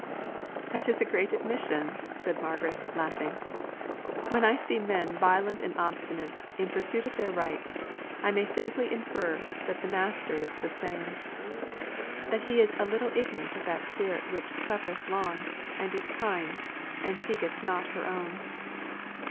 "That is a great admission," said Margaret, laughing. "When I see men violent and obstinate, in pursuit of their rights, I may safely infer that the master is the same; that he is a little ignorant of that spirit which suffereth long, and is kind, and seeketh not her own."